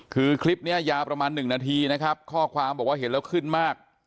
คือคลิปนี้ยาวประมาณ๑นาทีนะครับข้อความบอกว่าเห็นแล้วขึ้นมาก